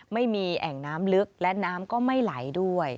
ไม่มีแอ่งน้ำลึกและน้ำก็ไม่ไหลด้วย